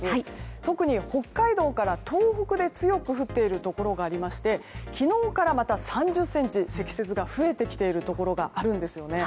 特に北海道から東北で強く降っているところがあって昨日から、また３０ｃｍ積雪が増えてきているところがあるんですよね。